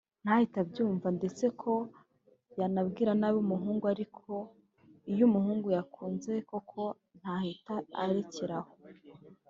ntahite abyumva ndetse akaba yanabwira nabi umuhungu ariko iyo umuhungu yakunze koko ntahita arekera aho